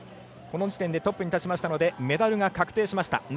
この時点でトップに立ちましたのでメダルが確定しました。